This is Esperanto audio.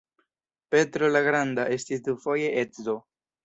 Petro la Granda estis dufoje edzo.